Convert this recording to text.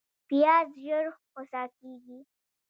پیاز ژر خوسا کېږي